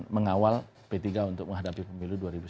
mengawal p tiga untuk menghadapi pemilu dua ribu sembilan belas